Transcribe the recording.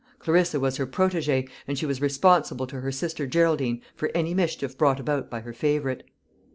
Clarissa was her protégée, and she was responsible to her sister Geraldine for any mischief brought about by her favourite.